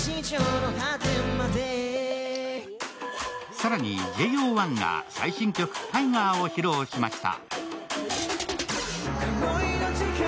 更にＪＯ１が最新曲「Ｔｉｇｅｒ」を披露しました。